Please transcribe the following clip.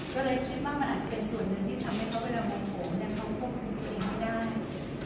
ก็เลยคิดว่ามันอาจจะเป็นส่วนหนึ่งที่ทำให้เขาเวลาโมโหเนี่ยเขาควบคุมตัวเองไม่ได้